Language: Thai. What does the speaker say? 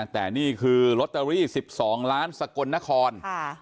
แต่นี่คือลอตเตอรี่๑๒ล้านสกลนคร